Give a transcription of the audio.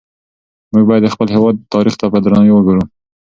موږ باید د خپل هېواد تاریخ ته په درناوي وګورو.